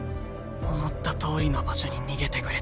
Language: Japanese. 思ったとおりの場所に逃げてくれた。